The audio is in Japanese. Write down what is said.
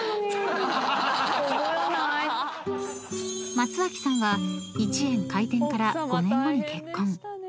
［松脇さんは一圓開店から５年後に結婚］